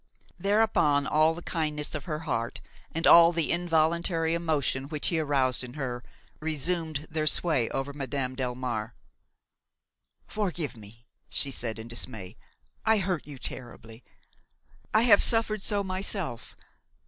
Thereupon all the kindness of her heart and all the involuntary emotion which he aroused in her resumed their sway over Madame Delmare. "Forgive me!" she said in dismay; "I hurt you terribly; I have suffered so myself!